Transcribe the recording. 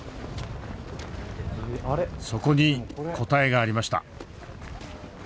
そこに答えがありました。